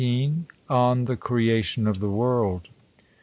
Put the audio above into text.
On the Creation of the Wori^d.